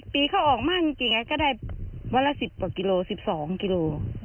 ปีเขาออกมากจริงก็ได้วันละ๑๐กว่ากิโล๑๒กิโล